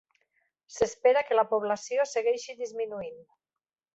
S'espera que la població segueixi disminuint.